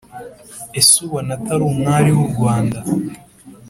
ese ubona atari umwari wu rwanda